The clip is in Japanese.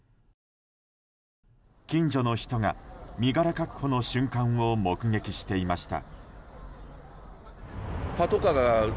近所の人が身柄確保の瞬間を目撃していました。